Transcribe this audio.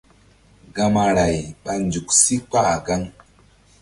Gamaray ɓa nzuk sí kpah gaŋ.